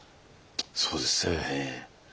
そうですよね。